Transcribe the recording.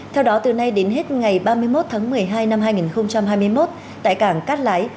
theo đó từ nay đến hết ngày ba mươi một tháng một mươi hai năm hai nghìn hai mươi một tại cảng cát lái